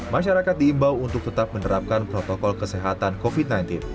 masyarakat diimbau untuk tetap menerapkan protokol kesehatan covid sembilan belas